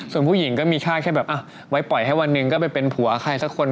ส่วนผู้หญิงก็มีแค่แค่แบบไว้ปล่อยให้วันหนึ่งก็ไปเป็นผัวใครสักคน